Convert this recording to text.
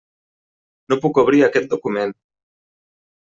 No puc obrir aquest document.